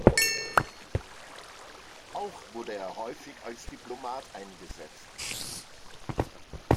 Auch wurde er häufig als Diplomat eingesetzt.